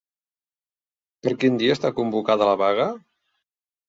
Per quin dia està convocada la vaga?